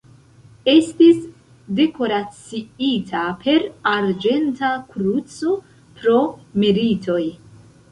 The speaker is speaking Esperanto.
Estis dekoraciita per Arĝenta kruco pro meritoj.